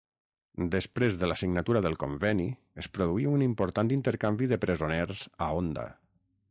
Després de la signatura del conveni es produí un important intercanvi de presoners a Onda.